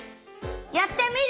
やってみる！